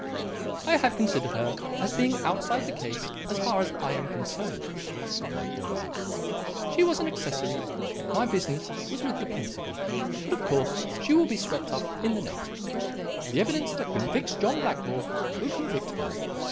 "I have considered her as being outside the case as far as I am concerned," replied Thorndyke. "She was an accessory; my business was with the principal. But, of course, she will be swept up in the net. The evidence that convicts John Blackmore will convict her.